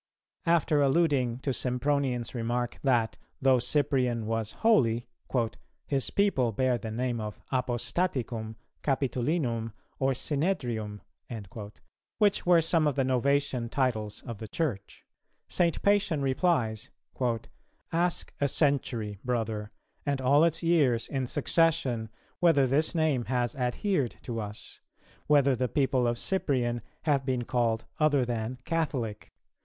After alluding to Sympronian's remark that, though Cyprian was holy, "his people bear the name of Apostaticum, Capitolinum, or Synedrium," which were some of the Novatian titles of the Church, St. Pacian replies, "Ask a century, brother, and all its years in succession, whether this name has adhered to us; whether the people of Cyprian have been called other than Catholic?